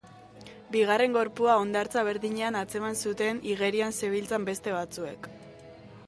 Bigarren gorpua, hondartza berdinean atzeman zuten igerian zebiltzan beste batzuek.